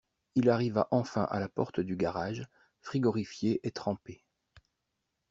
Il arriva enfin à la porte du garage, frigorifié et trempé.